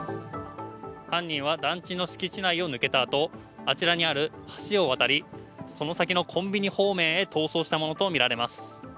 犯人は団地の敷地内を抜けたあと、あちらにある橋を渡り、その先のコンビニ方面へ逃走したものとみられます。